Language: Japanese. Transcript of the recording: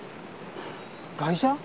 外車？